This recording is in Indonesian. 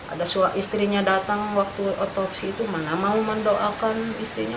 ada istrinya datang waktu otopsi itu mana mau mendoakan istrinya